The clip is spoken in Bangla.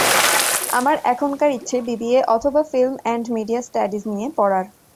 আমার এখনকার ইচ্ছে বিবিএ অথব ফিল্ম অ্যান্ড মিডিয়া স্ট্যাডিজ নিয়ে পড়ার।